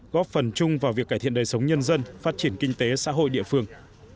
góp phần chung vào việc cải thiện đời sống nhân dân phát triển kinh tế xã hội địa phương